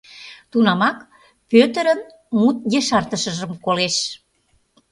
Тунамак Пӧтырын мут ешартышыжым колеш: